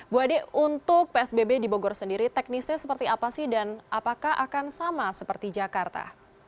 bu ade untuk psbb di bogor sendiri teknisnya seperti apa sih dan apakah akan sama seperti jakarta